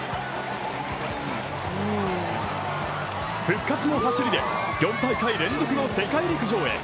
復活の走りで４大会連続の世界陸上へ。